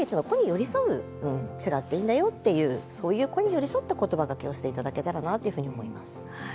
違っていいんだよっていうそういう個に寄り添って言葉がけをして頂けたらなっていうふうに思います。